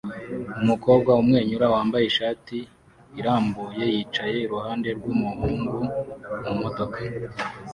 Umukobwa umwenyura wambaye ishati irambuye yicaye iruhande rwumuhungu mumodoka